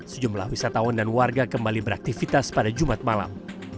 sejumlah wisatawan dan warga kembali beraktivitas pada jumat malam